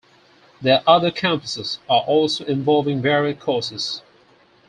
Their other campuses are also involving varied courses.